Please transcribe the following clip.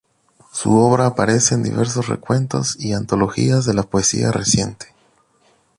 Su obra aparece en diversos recuentos y antologías de la poesía reciente.